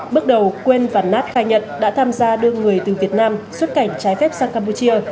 bước đầu quên và nát khai nhận đã tham gia đưa người từ việt nam xuất cảnh trái phép sang campuchia